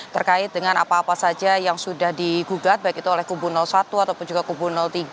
terkait dengan apa apa saja yang sudah digugat baik itu oleh kubu satu ataupun juga kubu tiga